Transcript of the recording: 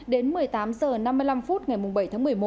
đến một mươi tám h năm mươi năm phút ngày bảy tháng một mươi một